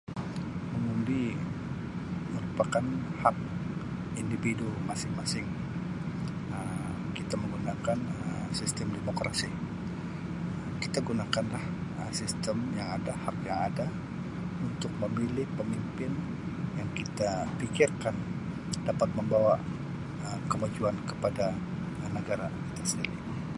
Mengundi merupakan hak individu masing-masing. Um Kita menggunakan Um sistem demokrasi. Kita gunakan lah Um sistem yang ada- hak yang ada untuk memilih pemimpin yang kita pikirkan dapat membawa Um kemajuan kepada Um negara kita sendiri.